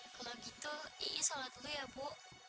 kalau gitu ii sholat dulu ya bu